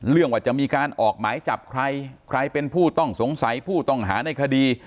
ว่าจะมีการออกหมายจับใครใครเป็นผู้ต้องสงสัยผู้ต้องหาในคดี